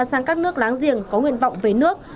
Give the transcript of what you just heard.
sang các nước láng giềng có nguyện vọng về nước